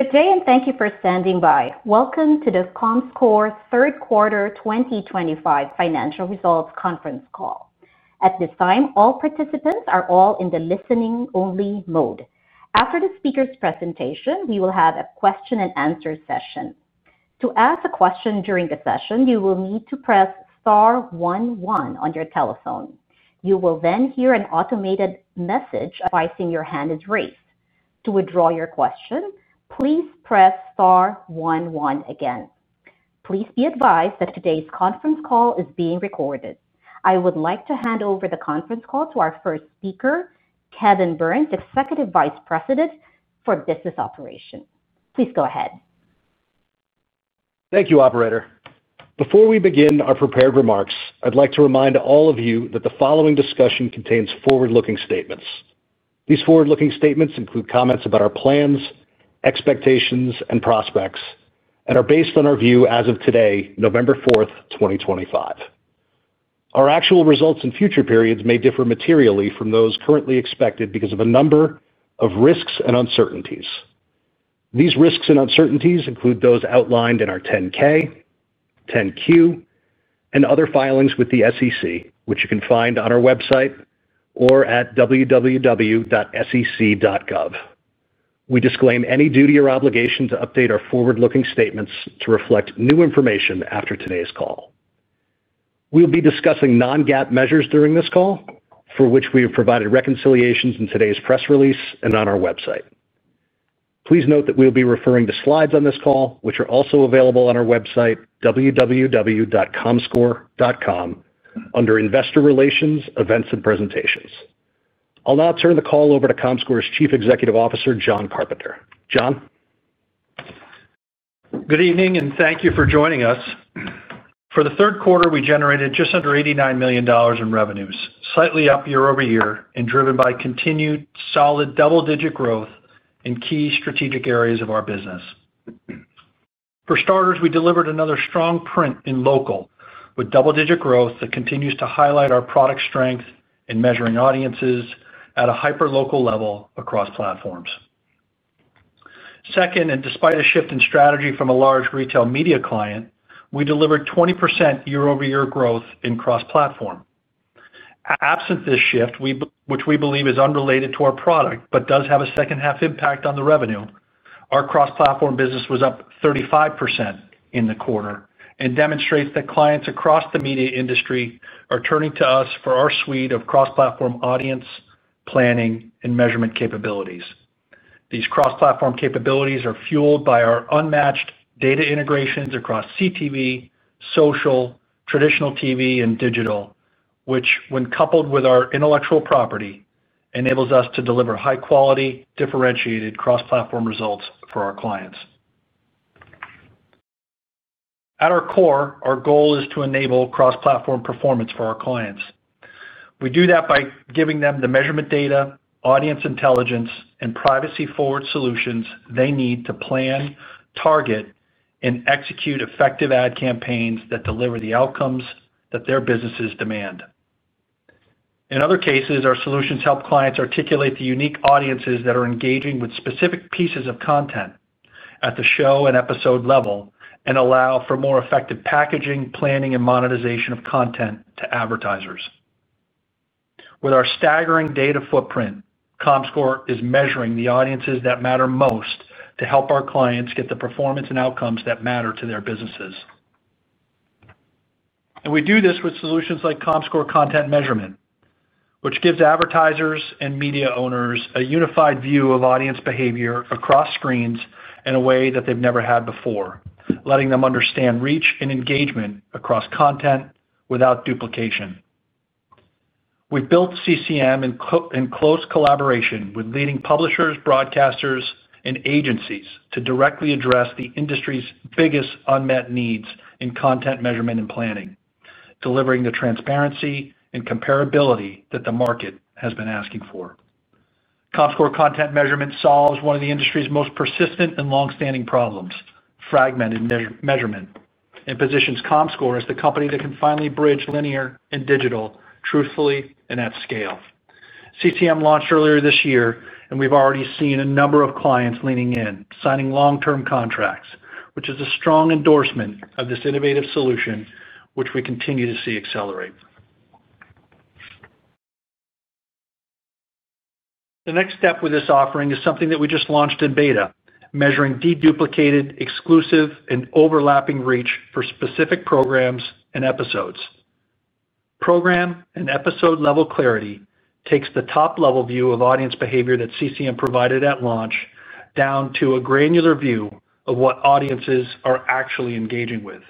Good day and thank you for standing by. Welcome to the comScore third quarter 2025 financial results conference call. At this time, all participants are in the listening-only mode. After the speaker's presentation, we will have a question-and-answer session. To ask a question during the session, you will need to press star one one on your telephone. You will then hear an automated message advising your hand is raised. To withdraw your question, please press star one one again. Please be advised that today's conference call is being recorded. I would like to hand over the conference call to our first speaker, Kevin Burns, Executive Vice President for Business Operations. Please go ahead. Thank you, Operator. Before we begin our prepared remarks, I'd like to remind all of you that the following discussion contains forward-looking statements. These forward-looking statements include comments about our plans, expectations, and prospects, and are based on our view as of today, November 4th, 2025. Our actual results and future periods may differ materially from those currently expected because of a number of risks and uncertainties. These risks and uncertainties include those outlined in our 10-K, 10-Q, and other filings with the SEC, which you can find on our website or at www.sec.gov. We disclaim any duty or obligation to update our forward-looking statements to reflect new information after today's call. We will be discussing non-GAAP measures during this call, for which we have provided reconciliations in today's press release and on our website. Please note that we will be referring to slides on this call, which are also available on our website, www.comScore.com, under Investor Relations, Events, and Presentations. I'll now turn the call over to comScore's Chief Executive Officer, John Carpenter. John. Good evening and thank you for joining us. For the third quarter, we generated just under $89 million in revenues, slightly up year-over-year, and driven by continued solid double-digit growth in key strategic areas of our business. For starters, we delivered another strong print in local with double-digit growth that continues to highlight our product strength in measuring audiences at a hyper-local level across platforms. Second, and despite a shift in strategy from a large retail media client, we delivered 20% year-over-year growth in cross-platform. Absent this shift, which we believe is unrelated to our product but does have a second-half impact on the revenue, our cross-platform business was up 35% in the quarter and demonstrates that clients across the media industry are turning to us for our suite of cross-platform audience planning and measurement capabilities. These cross-platform capabilities are fueled by our unmatched data integrations across CTV, social, traditional TV, and digital, which, when coupled with our intellectual property, enables us to deliver high-quality, differentiated cross-platform results for our clients. At our core, our goal is to enable cross-platform performance for our clients. We do that by giving them the measurement data, audience intelligence, and privacy-forward solutions they need to plan, target, and execute effective ad campaigns that deliver the outcomes that their businesses demand. In other cases, our solutions help clients articulate the unique audiences that are engaging with specific pieces of content at the show and episode level and allow for more effective packaging, planning, and monetization of content to advertisers. With our staggering data footprint, comScore is measuring the audiences that matter most to help our clients get the performance and outcomes that matter to their businesses. And we do this with solutions like comScore Content Measurement, which gives advertisers and media owners a unified view of audience behavior across screens in a way that they've never had before, letting them understand reach and engagement across content without duplication. We've built CCM in close collaboration with leading publishers, broadcasters, and agencies to directly address the industry's biggest unmet needs in content measurement and planning, delivering the transparency and comparability that the market has been asking for. comScore Content Measurement solves one of the industry's most persistent and long-standing problems, fragmented measurement, and positions comScore as the company that can finally bridge linear and digital truthfully and at scale. CCM launched earlier this year, and we've already seen a number of clients leaning in, signing long-term contracts, which is a strong endorsement of this innovative solution, which we continue to see accelerate. The next step with this offering is something that we just launched in beta, measuring deduplicated, exclusive, and overlapping reach for specific programs and episodes. Program and episode-level clarity takes the top-level view of audience behavior that CCM provided at launch down to a granular view of what audiences are actually engaging with.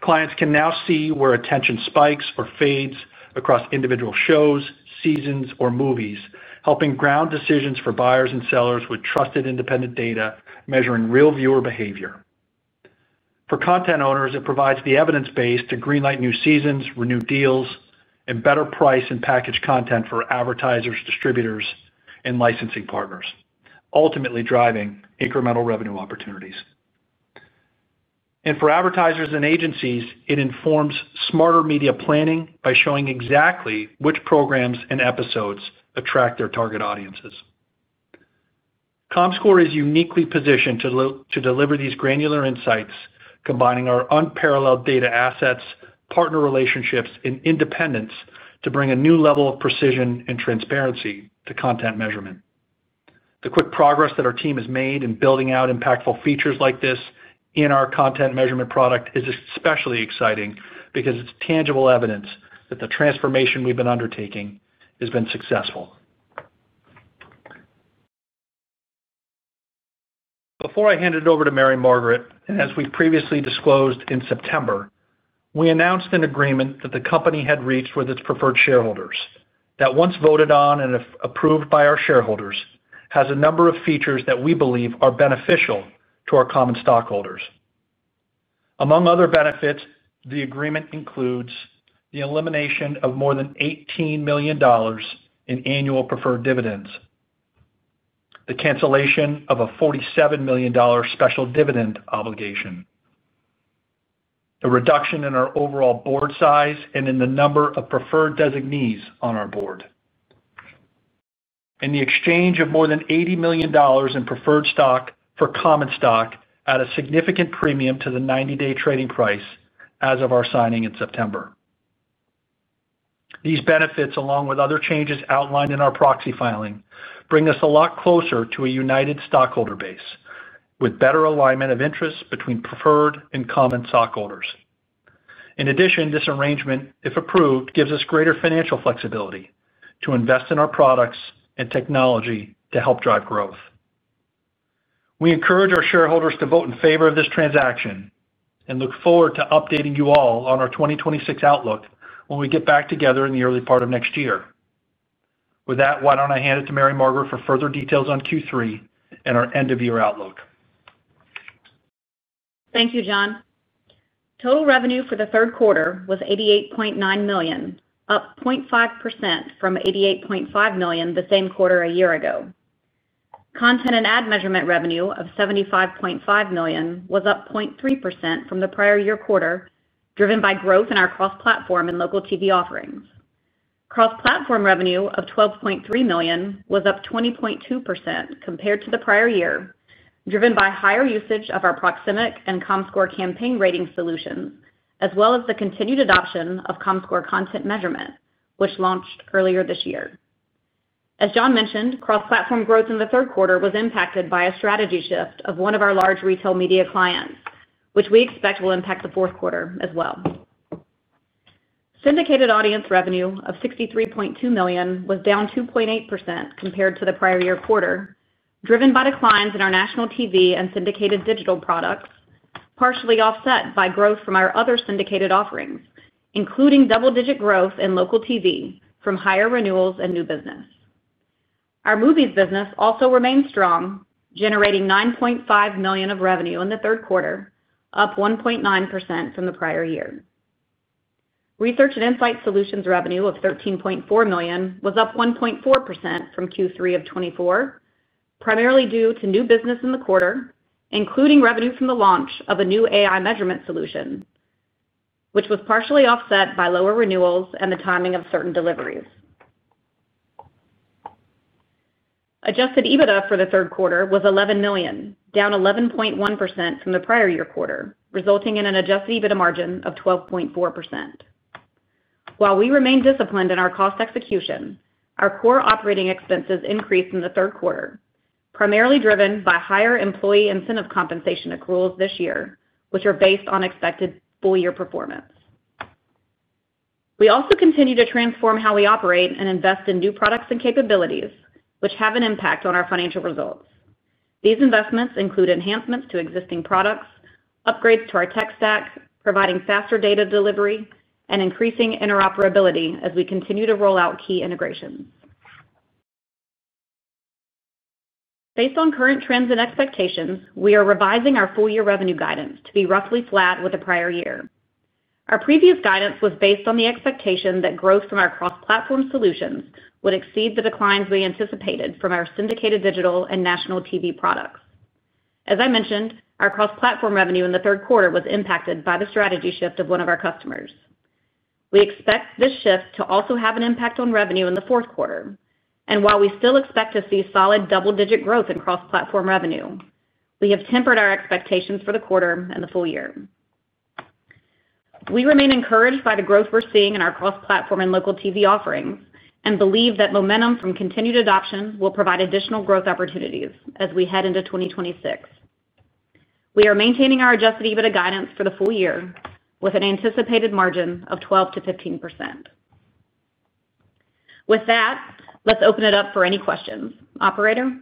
Clients can now see where attention spikes or fades across individual shows, seasons, or movies, helping ground decisions for buyers and sellers with trusted independent data measuring real viewer behavior. For content owners, it provides the evidence base to greenlight new seasons, renew deals, and better price and package content for advertisers, distributors, and licensing partners, ultimately driving incremental revenue opportunities, and for advertisers and agencies, it informs smarter media planning by showing exactly which programs and episodes attract their target audiences. comScore is uniquely positioned to deliver these granular insights, combining our unparalleled data assets, partner relationships, and independence to bring a new level of precision and transparency to content measurement. The quick progress that our team has made in building out impactful features like this in our content measurement product is especially exciting because it's tangible evidence that the transformation we've been undertaking has been successful. Before I hand it over to Mary Margaret, and as we previously disclosed in September, we announced an agreement that the company had reached with its preferred shareholders that, once voted on and approved by our shareholders, has a number of features that we believe are beneficial to our common stockholders. Among other benefits, the agreement includes the elimination of more than $18 million in annual preferred dividends, the cancellation of a $47 million special dividend obligation, a reduction in our overall board size and in the number of preferred designees on our board, and the exchange of more than $80 million in preferred stock for common stock at a significant premium to the 90-day trading price as of our signing in September. These benefits, along with other changes outlined in our proxy filing, bring us a lot closer to a united stockholder base with better alignment of interests between preferred and common stockholders. In addition, this arrangement, if approved, gives us greater financial flexibility to invest in our products and technology to help drive growth. We encourage our shareholders to vote in favor of this transaction and look forward to updating you all on our 2026 outlook when we get back together in the early part of next year. With that, why don't I hand it to Mary Margaret for further details on Q3 and our end-of-year outlook? Thank you, John. Total revenue for the third quarter was $88.9 million, up 0.5% from $88.5 million the same quarter a year ago. Content and ad measurement revenue of $75.5 million was up 0.3% from the prior year quarter, driven by growth in our cross-platform and local TV offerings. Cross-platform revenue of $12.3 million was up 20.2% compared to the prior year, driven by higher usage of our Proximic and comScore Campaign Ratings solutions, as well as the continued adoption of comScore Content Measurement, which launched earlier this year. As John mentioned, cross-platform growth in the third quarter was impacted by a strategy shift of one of our large retail media clients, which we expect will impact the fourth quarter as well. Syndicated audience revenue of $63.2 million was down 2.8% compared to the prior year quarter, driven by declines in our national TV and syndicated digital products, partially offset by growth from our other syndicated offerings, including double-digit growth in local TV from higher renewals and new business. Our movies business also remained strong, generating $9.5 million of revenue in the third quarter, up 1.9% from the prior year. Research and insight solutions revenue of $13.4 million was up 1.4% from Q3 of 2024, primarily due to new business in the quarter, including revenue from the launch of a new AI measurement solution, which was partially offset by lower renewals and the timing of certain deliveries. Adjusted EBITDA for the third quarter was $11 million, down 11.1% from the prior year quarter, resulting in an Adjusted EBITDA margin of 12.4%. While we remain disciplined in our cost execution, our core operating expenses increased in the third quarter, primarily driven by higher employee incentive compensation accruals this year, which are based on expected full-year performance. We also continue to transform how we operate and invest in new products and capabilities, which have an impact on our financial results. These investments include enhancements to existing products, upgrades to our tech stack, providing faster data delivery, and increasing interoperability as we continue to roll out key integrations. Based on current trends and expectations, we are revising our full-year revenue guidance to be roughly flat with the prior year. Our previous guidance was based on the expectation that growth from our cross-platform solutions would exceed the declines we anticipated from our syndicated digital and national TV products. As I mentioned, our cross-platform revenue in the third quarter was impacted by the strategy shift of one of our customers. We expect this shift to also have an impact on revenue in the fourth quarter, and while we still expect to see solid double-digit growth in cross-platform revenue, we have tempered our expectations for the quarter and the full year. We remain encouraged by the growth we're seeing in our cross-platform and local TV offerings and believe that momentum from continued adoption will provide additional growth opportunities as we head into 2026. We are maintaining our Adjusted EBITDA guidance for the full year with an anticipated margin of 12%-15%. With that, let's open it up for any questions. Operator?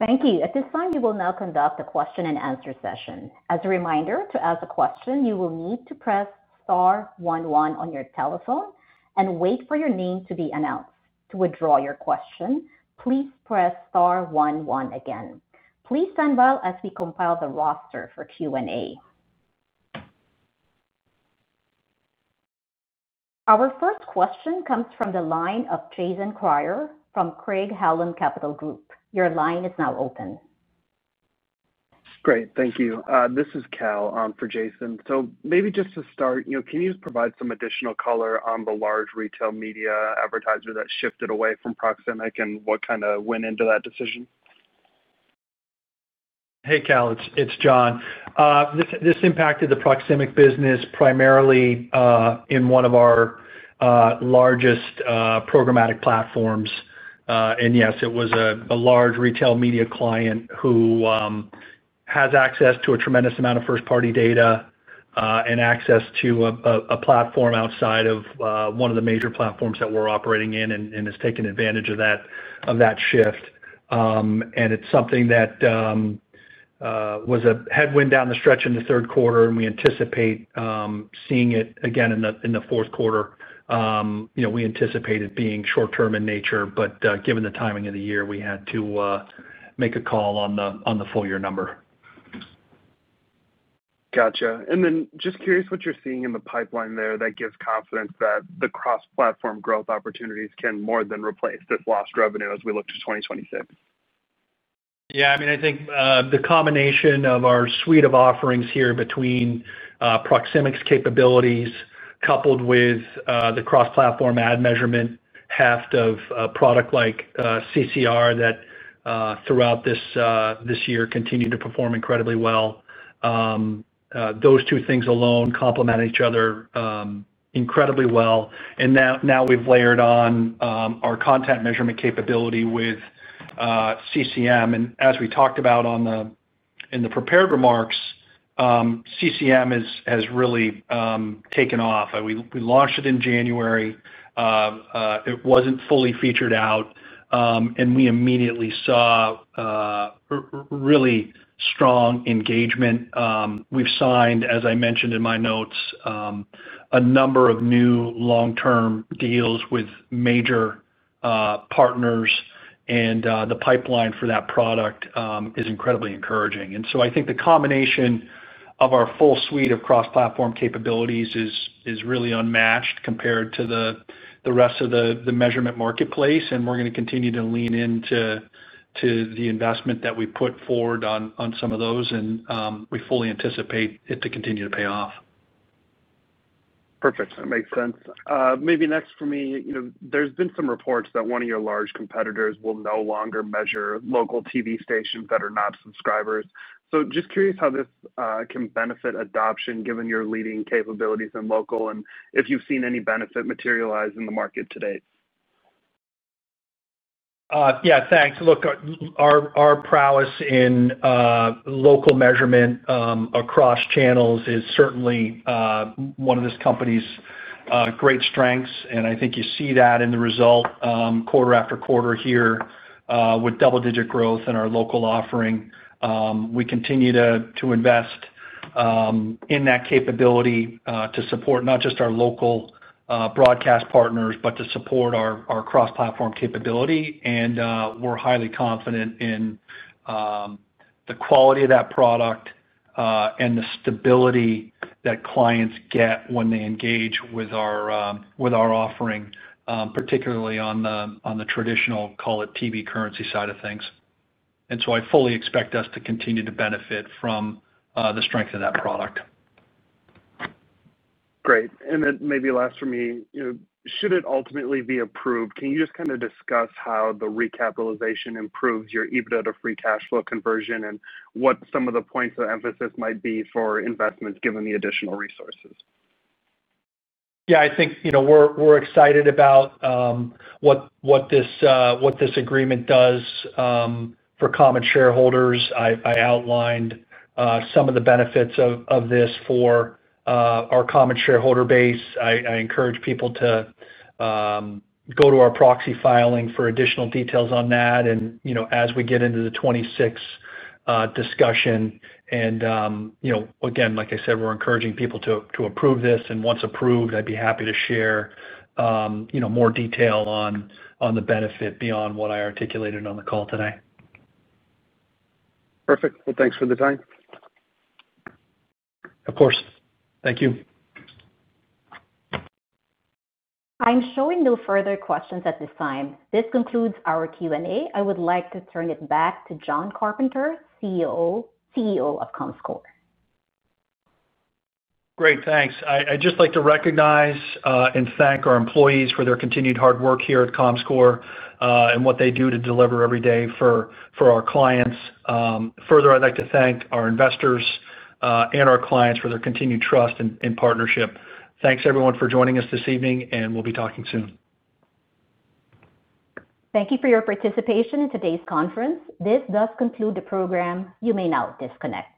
Thank you. At this time, we will now conduct a question-and-answer session. As a reminder, to ask a question, you will need to press star one one on your telephone and wait for your name to be announced. To withdraw your question, please press star one one again. Please stand by as we compile the roster for Q&A. Our first question comes from the line of Jason Kreyer from Craig-Hallum Capital Group. Your line is now open. Great. Thank you. This is Cal for Jason. So maybe just to start, can you just provide some additional color on the large retail media advertiser that shifted away from Proximic and what kind of went into that decision? Hey, Cal. It's John. This impacted the Proximic business primarily in one of our largest programmatic platforms. And yes, it was a large retail media client who has access to a tremendous amount of first-party data and access to a platform outside of one of the major platforms that we're operating in and has taken advantage of that shift. And it's something that was a headwind down the stretch in the third quarter, and we anticipate seeing it again in the fourth quarter. We anticipate it being short-term in nature, but given the timing of the year, we had to make a call on the full-year number. Gotcha. And then just curious what you're seeing in the pipeline there that gives confidence that the cross-platform growth opportunities can more than replace this lost revenue as we look to 2026? Yeah. I mean, I think the combination of our suite of offerings here between Proximic's capabilities coupled with the cross-platform ad measurement, a product like CCR that throughout this year continued to perform incredibly well. Those two things alone complement each other incredibly well, and now we've layered on our content measurement capability with CCM, and as we talked about in the prepared remarks, CCM has really taken off. We launched it in January. It wasn't fully rolled out, and we immediately saw really strong engagement. We've signed, as I mentioned in my notes, a number of new long-term deals with major partners, and the pipeline for that product is incredibly encouraging. And so I think the combination of our full suite of cross-platform capabilities is really unmatched compared to the rest of the measurement marketplace, and we're going to continue to lean into the investment that we put forward on some of those, and we fully anticipate it to continue to pay off. Perfect. That makes sense. Maybe next for me, there's been some reports that one of your large competitors will no longer measure local TV stations that are not subscribers. So just curious how this can benefit adoption given your leading capabilities in local and if you've seen any benefit materialize in the market to date? Yeah. Thanks. Look, our prowess in local measurement across channels is certainly one of this company's great strengths, and I think you see that in the results quarter after quarter here with double-digit growth in our local offering. We continue to invest in that capability to support not just our local broadcast partners, but to support our cross-platform capability. And we're highly confident in the quality of that product and the stability that clients get when they engage with our offering, particularly on the traditional, call it TV currency side of things. And so I fully expect us to continue to benefit from the strength of that product. Great. And then maybe last for me, should it ultimately be approved, can you just kind of discuss how the recapitalization improves your EBITDA to free cash flow conversion and what some of the points of emphasis might be for investments given the additional resources? Yeah. I think we're excited about what this agreement does for common shareholders. I outlined some of the benefits of this for our common shareholder base. I encourage people to go to our proxy filing for additional details on that. As we get into the 2026 discussion, again, like I said, we're encouraging people to approve this. Once approved, I'd be happy to share more detail on the benefit beyond what I articulated on the call today. Perfect. Well, thanks for the time. Of course. Thank you. I'm showing no further questions at this time. This concludes our Q&A. I would like to turn it back to John Carpenter, CEO of comScore. Great. Thanks. I'd just like to recognize and thank our employees for their continued hard work here at comScore and what they do to deliver every day for our clients. Further, I'd like to thank our investors and our clients for their continued trust and partnership. Thanks, everyone, for joining us this evening, and we'll be talking soon. Thank you for your participation in today's conference. This does conclude the program. You may now disconnect.